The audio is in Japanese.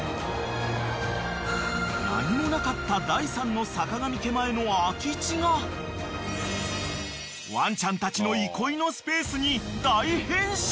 ［何もなかった第３の坂上家前の空き地がワンちゃんたちの憩いのスペースに大変身！］